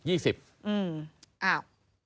อ้าว